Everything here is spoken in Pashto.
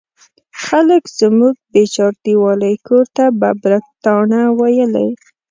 خلکو زموږ بې چاردیوالۍ کور ته ببرک تاڼه ویلې.